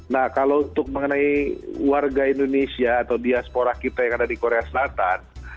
nah kalau untuk mengenai warga indonesia atau diaspora kita yang ada di korea selatan